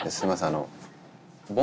あの。